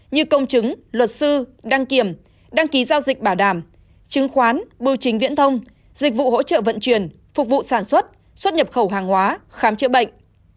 như công chứng luật sư đăng kiểm đăng ký giao dịch bảo đảm chứng khoán bưu chính viễn thông dịch vụ hỗ trợ vận chuyển phục vụ sản xuất xuất nhập khẩu hàng hóa khám chữa bệnh